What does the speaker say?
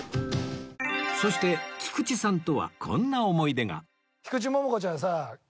そして菊池さんとはこんな思い出が